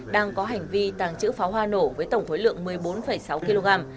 đang có hành vi tàng trữ pháo hoa nổ với tổng thối lượng một mươi bốn sáu kg